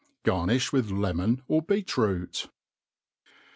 Garnifli with lemon or beet root.